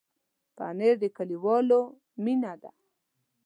پنېر د کلیوالو مینه ده.